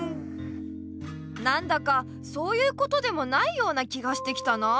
なんだかそういうことでもないような気がしてきたなあ。